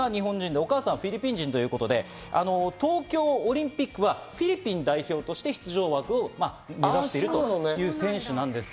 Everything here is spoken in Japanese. お母様がフィリピン人ということで、東京オリンピックはフィリピン代表として出場枠を持っているという選手です。